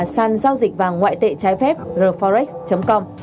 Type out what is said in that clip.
sàn giao dịch và ngoại tệ trái phép reforex com